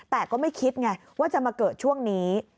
แต่ก็ไม่คิดไงว่าจะมาเกิดช่วงนี้